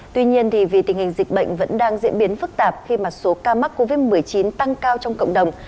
tuy nhiên vì tình hình dịch bệnh vẫn đang diễn biến phức tạp khi mà số ca mắc covid một mươi chín tăng cao trong cộng đồng